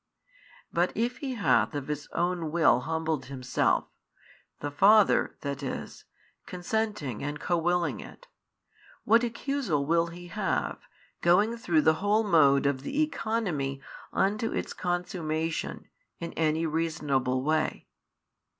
But if He hath of His own will humbled |646 Himself, the Father, that is, consenting and Co willing it, what accusal will He have, going through the whole mode of the Economy unto its consummation, in any reasonable way?